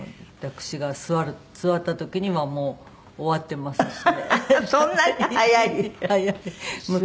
私が座った時にはもう終わってますしね。